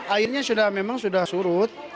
akhirnya memang sudah surut